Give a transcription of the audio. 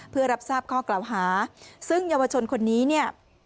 เพื่อรับทราบข้อกล่าวหาซึ่งเยาวชนคนนี้เนี่ย